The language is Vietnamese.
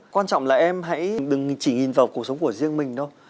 quan trọng là em hãy đừng chỉ nhìn vào cuộc sống của riêng mình thôi